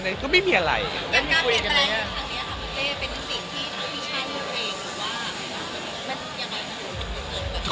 แล้วก็มีแปลงทางนี้ครับพี่เต้